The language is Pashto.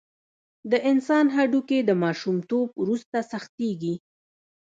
د انسان هډوکي د ماشومتوب وروسته سختېږي.